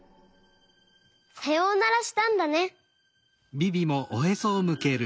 さようならしたんだね。